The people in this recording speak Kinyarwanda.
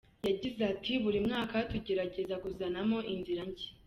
Yagize ati "Buri mwaka tugerageza kuzanamo inzira nshya.